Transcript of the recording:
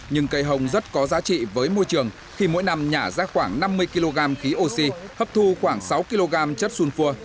nhưng cây hồng rất có giá trị với môi trường khi mỗi năm nhả ra khoảng năm mươi kg khí oxy hấp thu khoảng sáu kg chất sunfur